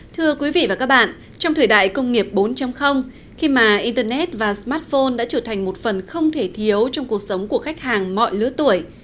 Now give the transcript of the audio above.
thưa quý vị và các bạn trong thời đại công nghiệp bốn khi mà internet và smartphone đã trở thành một phần không thể thiếu trong cuộc sống của khách hàng mọi lứa tuổi